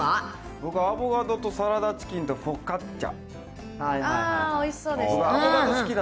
僕はアボカドとサラダチキンとフォカッチャ。